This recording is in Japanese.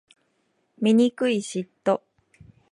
醜い嫉妬